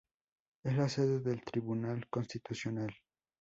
Es la sede del Tribunal Constitucional.